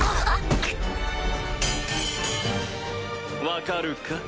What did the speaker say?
分かるか？